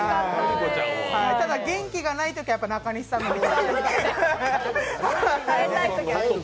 ただ元気がないときはやっぱ中西さんのを。